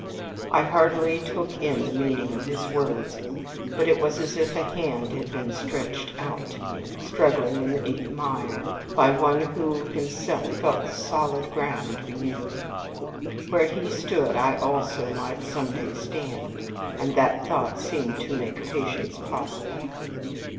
I hardly took in the meaning of his words, but it was as if a hand had been stretched out to me, struggling in the deep mire, by one who himself felt solid ground beneath him. Where he stood I also might some day stand, and that thought seemed to make patience possible.